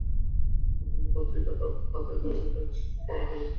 দু-তিনটে পত্রিকা তার হাতের কাছে থাকে, সে-সব পড়া হয় না।